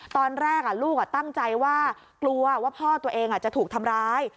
ตอนแรกลูกตั้งใจว่ากลัวว่าพ่อตัวเองจะถูกทำร้าย